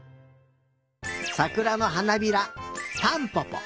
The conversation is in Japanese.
さくらのはなびらたんぽぽ。